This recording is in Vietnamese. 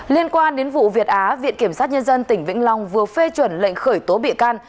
liên quan đến vụ việt á viện kiểm sát nhân dân tỉnh vĩnh long vừa phê chuẩn lệnh khởi tố bị can